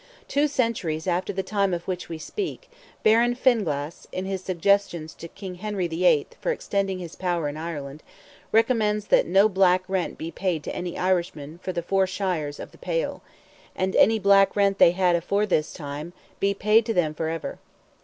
Two centuries after the time of which we speak, Baron Finglas, in his suggestions to King Henry VIII. for extending his power in Ireland, recommends that "no black rent be paid to any Irishman for the four shires"—of the Pale—"and any black rent they had afore this time be paid to them for ever."